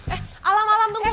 eh alam alam tunggu